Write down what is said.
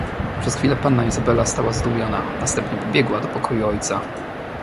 "Przez chwilę panna Izabela stała zdumiona; następnie pobiegła do pokoju ojca."